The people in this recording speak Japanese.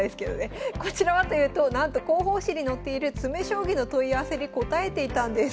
こちらはというとなんと広報誌に載っている詰将棋の問い合わせに応えていたんです。